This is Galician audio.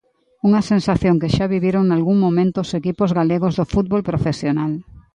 Unha sensación que xa viviron nalgún momento os equipos galegos do fútbol profesional.